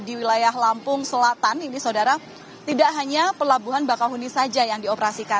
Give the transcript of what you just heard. di wilayah lampung selatan ini saudara tidak hanya pelabuhan bakahuni saja yang dioperasikan